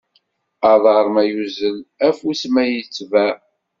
Aḍar ma yuzzel afus ad t-yetbeɛ.